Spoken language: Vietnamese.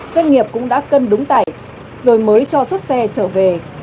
doanh nghiệp cũng đã cân đúng tải rồi mới cho xuất xe trở về